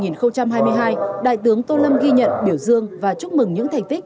năm hai nghìn hai mươi hai đại tướng tô lâm ghi nhận biểu dương và chúc mừng những thành tích